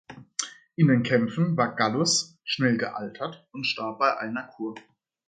In den Kämpfen war Gallus schnell gealtert und starb bei einer Kur.